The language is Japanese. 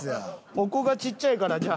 お子がちっちゃいからじゃあ。